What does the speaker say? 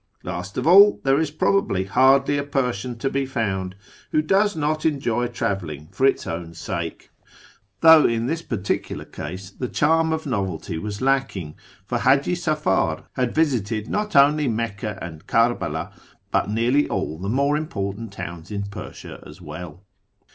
Last of all, there is probably hardly a Persian to be found who does not enjoy travelling for its own sake, though in this particular case the charm of novelty was lacking, for Haji Safar had visited not only Mecca and Kerbela, but nearly all the more important towns in Persia as well.